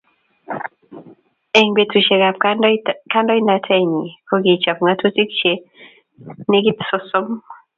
Eng betusiekab kandoinatenyi ko kichop ngatutik che negit sosom